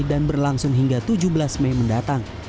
dan berlangsung hingga tujuh belas mei mendatang